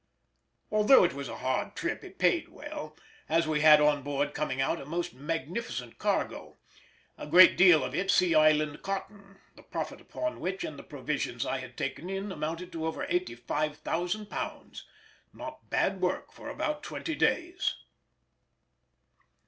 Although it was a hard trip it paid well, as we had on board coming out a most magnificent cargo, a great deal of it Sea Island cotton, the profit upon which and the provisions I had taken in amounted to over £85,000—not bad work for about twenty days!